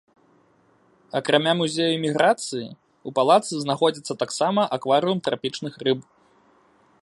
Акрамя музея іміграцыі, у палацы знаходзіцца таксама акварыум трапічных рыб.